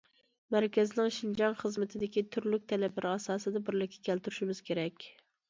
مەركەزنىڭ شىنجاڭ خىزمىتىدىكى تۈرلۈك تەلەپلىرى ئاساسىدا بىرلىككە كەلتۈرۈشىمىز كېرەك.